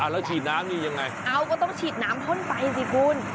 แล้วฉีดน้ำนี่ยังไงเอาก็ต้องฉีดน้ำพ่นไฟสิคุณ